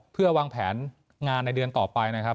เพื่อวางแผนงานในเดือนต่อไปนะครับ